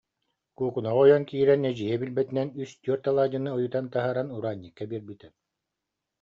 Куукунаҕа ойон киирэн, эдьиийэ бил- бэтинэн үс-түөрт алаадьыны ойутан таһааран Ураан- ньыкка биэрбитэ